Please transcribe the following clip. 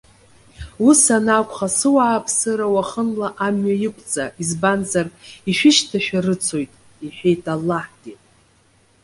Ус анакәха, сыуааԥсыра уахынла амҩа иқәҵа, избанзар ишәышьҭашәарыцоит,- иҳәеит Аллаҳгьы.